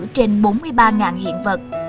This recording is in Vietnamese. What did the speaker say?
trên bốn mươi ba hiện vật